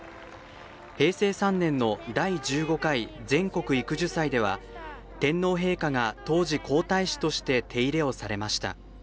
平成３年の「第１５回全国育樹祭」では天皇陛下が当時皇太子として手入れをされました。